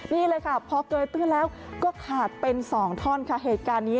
นี่พอเกยตื่นแล้วก็ขาดเป็น๒ค่ะ